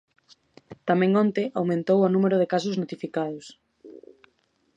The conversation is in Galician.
Tamén onte aumentou o número de casos notificados.